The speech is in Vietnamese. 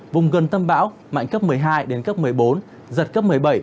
vùng gần tâm bão mạnh cấp một mươi hai đến cấp một mươi bốn giật cấp một mươi bảy